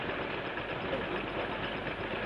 พรุ่งนี้เป็นวันปีใหม่